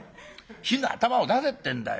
火の頭を出せってんだよ。